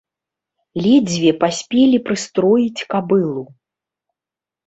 Ледзьве паспелі прыстроіць кабылу.